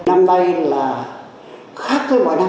năm nay là khác với mọi năm